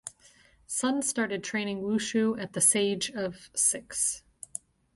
Sun started training wushu at the sage of six.